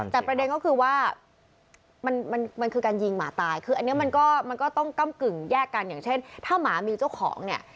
แต่ประเด็นก็คือว่ามันคือการยิงหมาตายคืออันนี้มันก็มันก็ต้องก้ำกึ่งแยกกันอย่างเช่นถ้าหมามีเจ้าของเนี่ย